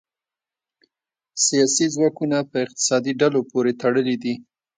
سیاسي ځواکونه په اقتصادي ډلو پورې تړلي دي